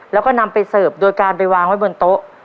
แล้วก็นำไปเสิร์ฟโดยการไปวางไว้บนโต๊ะ